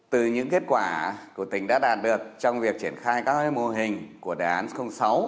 từ những kết quả của tỉnh đã đạt được trong việc triển khai các mô hình của đề án sáu